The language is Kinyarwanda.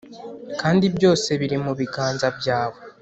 kandi byose biri mubiganza byawe."